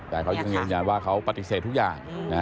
แต่เขายังยืนยันว่าเขาปฏิเสธทุกอย่าง